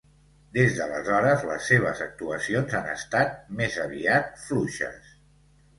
Des d'aleshores les seves actuacions han estat més aviat fluixes.